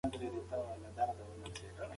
د اجتماعي واقعیت پوهه د بل نظر سره څه توپیر لري؟